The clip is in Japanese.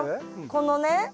このね